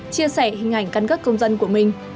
chia sẻ hình ảnh cân cướp công dân của mình